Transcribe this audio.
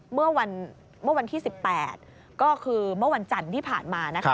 เมื่อวันที่๑๘ก็คือเมื่อวันจันทร์ที่ผ่านมา